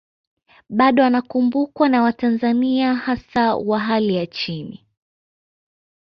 Bado anakumbukwa na watanzania hasa wa hali ya chini